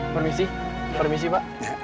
permisi permisi pak